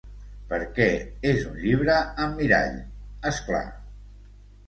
Per què, és un llibre amb mirall, és clar!